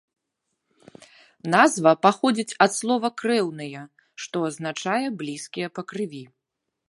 Назва паходзіць ад слова крэўныя, што азначае блізкія па крыві.